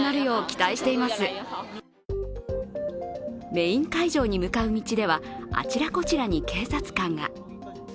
メイン会場に向かう道ではあちらこちらに警察官が。